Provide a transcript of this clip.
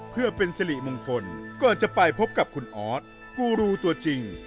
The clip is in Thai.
เพื่อเป็นสิริมงคลก่อนจะไปพบกับคุณออสกูรูตัวจริง